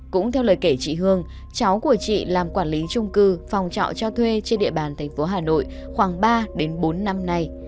cũng theo lời kể chị hương cháu của chị làm quản lý trung cư phòng trọ cho thuê trên địa bàn thành phố hà nội khoảng ba bốn năm nay